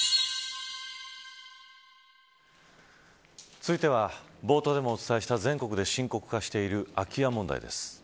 続いては、冒頭でもお伝えした全国で深刻化している空き家問題です。